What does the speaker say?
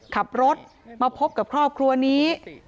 ขับรถมาพบกับครอบครัวนี้